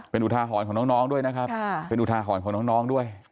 เป็นอุทาหรณ์ของน้องด้วยนะครับเป็นอุทาหรณ์ของน้องด้วย